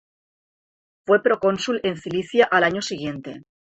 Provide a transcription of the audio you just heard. Fue procónsul en Cilicia al año siguiente.